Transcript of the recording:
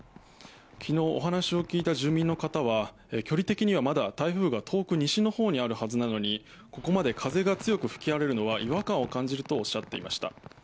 昨日、お話を聞いた住民の方は距離的にはまだ台風が遠く西のほうにあるはずなのにここまで風が強く吹き荒れるのは違和感を感じるとおっしゃっていました。